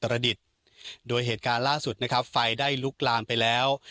โดยเหตุการณ์ล่าสุดนะครับไฟได้ลุกลามไปแล้ว